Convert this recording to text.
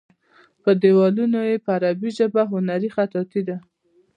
پر دیوالونو یې په عربي ژبه هنري خطاطي ده.